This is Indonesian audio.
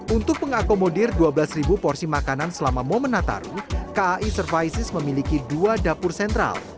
untuk mengakomodir dua belas porsi makanan selama momen nataru kai services memiliki dua dapur sentral